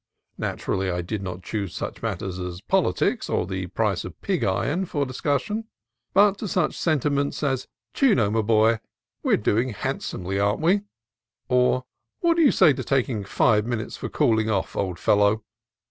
Naturally, I did not choose such matters as politics or the price of pig iron for discussion: but to such sentiments as "Chino, my boy, we're doing hand somely, are n't we?" or "What do you say to taking five minutes for cooling off, old fellow?"